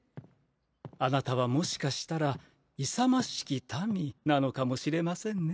あなたはもしかしたら勇ましき民なのかもしれませんね。